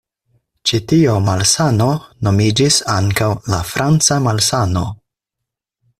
Ĉi tio malsano nomiĝis ankaŭ la "franca malsano".